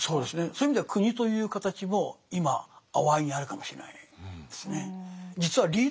そういう意味では国という形も今あわいにあるかもしれないですね。